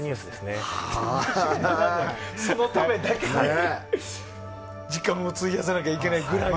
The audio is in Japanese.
２７年、そのためだけに時間を費やさなきゃいけないぐらいの。